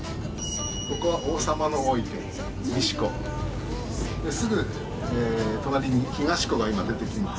ここは王様の王池西湖。ですぐ隣に東湖が今出てきます。